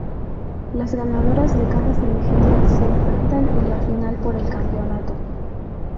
Las ganadoras de cada semifinal se enfrentan en la final por el campeonato.